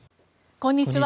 こんにちは。